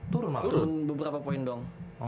turun beberapa poin dong